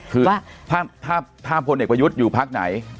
คือถ้าพลเอกประยุทธ์อยู่พักไหน